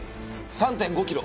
３．５キロ。